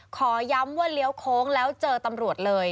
ขอย้ำว่าเลี้ยวโค้งแล้วเจอตำรวจเลย